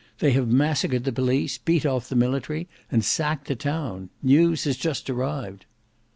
"They have massacred the police, beat off the military, and sacked the town. News just arrived."